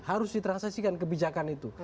harus ditransaksikan kebijakan itu